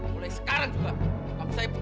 mulai sekarang juga kamu saya pecat